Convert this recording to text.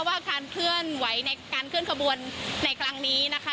ว่าการเคลื่อนไหวในการเคลื่อนขบวนในครั้งนี้นะคะ